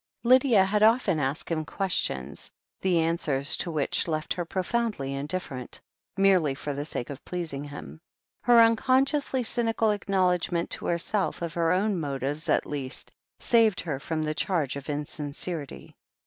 Lydia had often asked him questions, the answers to which left her profoundly indifferent, merely for the sake of pleasing him. Her unconsciously cynical acknowledgment to herself of her own motives at least saved her from the charge of insincerity.